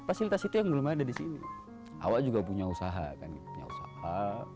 fasilitas itu yang belum ada di sini awak juga punya usaha kan punya usaha